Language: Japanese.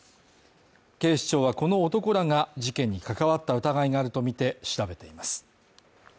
警視庁はこの男らが事件に関わった疑いがあるとみて調べています。